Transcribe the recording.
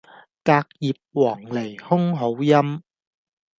隔葉黃鸝空好音